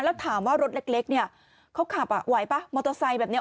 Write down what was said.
แล้วถามว่ารถเล็กเนี่ยเขาขับไหวป่ะมอเตอร์ไซค์แบบนี้